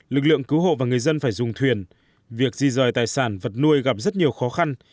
lực lượng cứu hộ và người dân phải dùng thuyền việc di rời tài sản vật nuôi gặp rất nhiều khó khăn